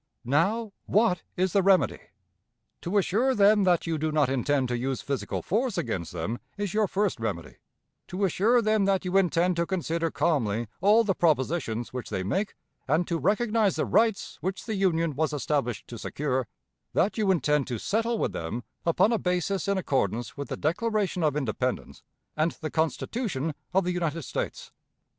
Now, what is the remedy? To assure them that you do not intend to use physical force against them is your first remedy; to assure them that you intend to consider calmly all the propositions which they make, and to recognize the rights which the Union was established to secure; that you intend to settle with them upon a basis in accordance with the Declaration of Independence and the Constitution of the United States.